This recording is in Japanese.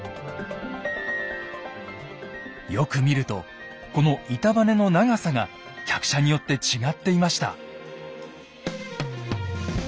よく見るとこの板バネの長さが客車によって違っていました。